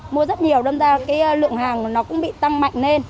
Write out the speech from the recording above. mua rất nhiều đâm ra cái lượng hàng của nó cũng bị tăng mạnh lên